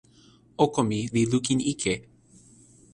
oko mi li lukin ike.